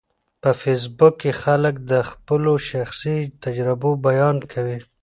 په فېسبوک کې خلک د خپلو شخصیتي تجربو بیان کوي